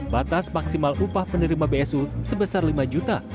batas maksimal upah penerima bsu sebesar lima juta